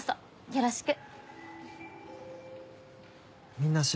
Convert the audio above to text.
よろしく。